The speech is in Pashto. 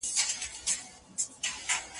مرګ د واقعیتونو د لیدلو سترګې دي.